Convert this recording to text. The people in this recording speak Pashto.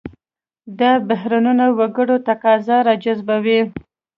دا بهرنیو وګړو تقاضا راجذبوي.